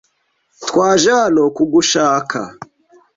Twaje hano kugushaka.